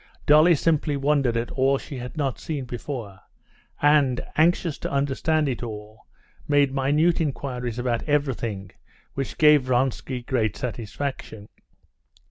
Dolly simply wondered at all she had not seen before, and, anxious to understand it all, made minute inquiries about everything, which gave Vronsky great satisfaction.